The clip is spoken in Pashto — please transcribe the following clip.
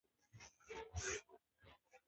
ځمکه د افغانانو د معیشت سرچینه ده.